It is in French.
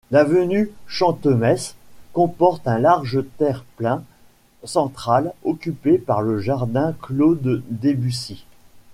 L’avenue Chantemesse comporte un large terre-plein central occupé par le jardin Claude-Debussy.